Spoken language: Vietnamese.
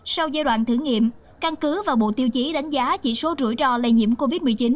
sau giai đoạn thử nghiệm căn cứ và bộ tiêu chí đánh giá chỉ số rủi ro lây nhiễm covid một mươi chín